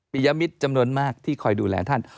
ยมิตรจำนวนมากที่คอยดูแลท่าน